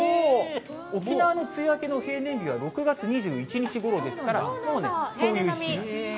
沖縄の梅雨明けの平年日は６月２１日ごろですから、もうね、そういう時期なんです。